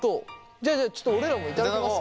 じゃあじゃあちょっと俺らも頂きますか。